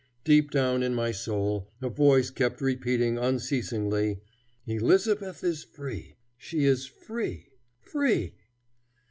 Deep down in my soul a voice kept repeating unceasingly: Elizabeth is free! She is free, free!